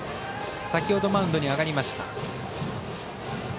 先ほどマウンドに上がりました。